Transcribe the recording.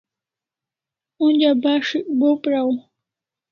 Onja bas'ik bo praw